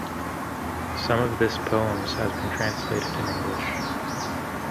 Some of this poems has been translated in English.